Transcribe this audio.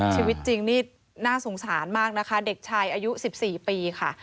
ชีวิตจริงนี่น่าสงสารมากนะคะเด็กชายอายุ๑๔ปีค่ะ